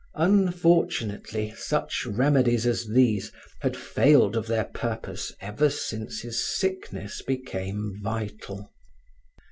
Unfortunately, such remedies as these had failed of their purpose ever since his sickness became vital.